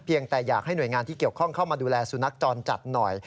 แต่อยากให้หน่วยงานที่เกี่ยวข้องเข้ามาดูแลสุนัขจรจัดหน่อย